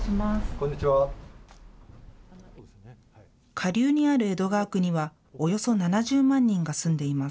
下流にある江戸川区にはおよそ７０万人が住んでいます。